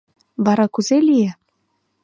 Вара кузе лие?